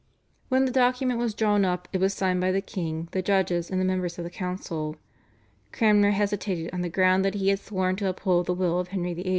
When the document was drawn up it was signed by the king, the judges, and the members of the council. Cranmer hesitated on the ground that he had sworn to uphold the will of Henry VIII.